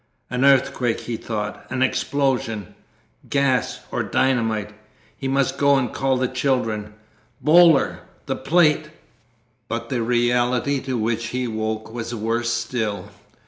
"An earthquake!" he thought, "an explosion ... gas or dynamite! He must go and call the children ... Boaler ... the plate!" But the reality to which he woke was worse still.